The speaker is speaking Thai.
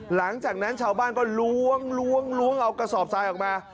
หลังจากนั้นชาวบ้านก็ล้วงเอากระสอบทรายออกมา